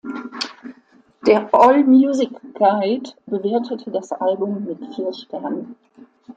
Der All Music Guide bewertete das Album mit vier Sternen.